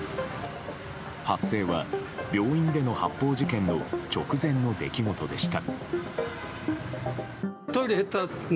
発生は病院での発砲事件の直前の出来事でした。